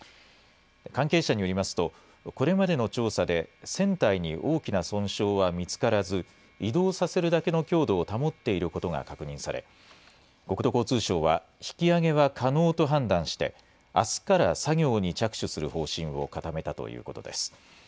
関係者によりますと、これまでの調査で船体に大きな損傷は見つからず、移動させるだけの強度を保っていることが確認され、国土交通省は、引き揚げは可能と判断して、あすから作業に着手する方針を固めたということです。